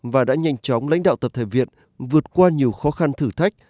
và đã nhanh chóng lãnh đạo tập thể việt vượt qua nhiều khó khăn thử thách